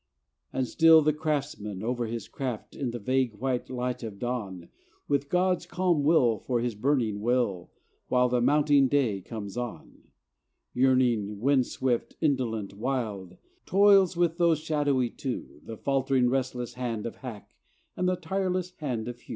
And still the craftsman over his craft, In the vague white light of dawn, With God's calm will for his burning will While the mounting day comes on, Yearning, wind swift, indolent, wild, Toils with those shadowy two, The faltering restless hand of Hack, And the tireless hand of Hew.